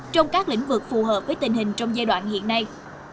trong các lĩnh vực phù hợp với tình hình trong giai đoạn hiện nay